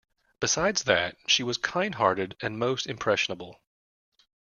Besides that, she was kind-hearted and most impressionable.